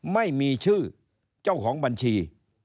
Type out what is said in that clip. ไม่มีชื่อเจ้าของบัญชี